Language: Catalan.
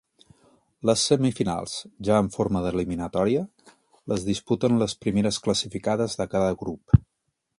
Les semifinals, ja en forma d'eliminatòria, les disputen les primeres classificades de cada grup.